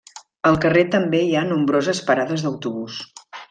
Al carrer també hi ha nombroses parades d'autobús.